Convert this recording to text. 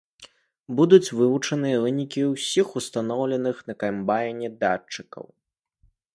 Будуць вывучаныя вынікі ўсіх устаноўленых на камбайне датчыкаў.